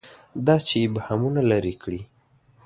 دا چې ابهامونه لري کړي.